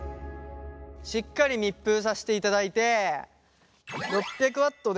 しっかり密封させていただいて６００Ｗで１分。